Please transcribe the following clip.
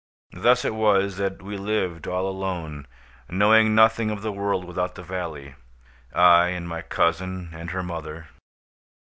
Thus it was that we lived all alone, knowing nothing of the world without the valley—I, and my cousin, and her mother.